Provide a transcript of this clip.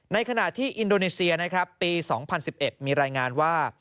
ในขณะที่อินโดนีเซียนะครับปี๒๐๑๑มีรายงานว่า